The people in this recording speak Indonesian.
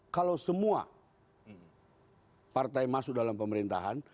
kalau semua partai masuk dalam pemerintahan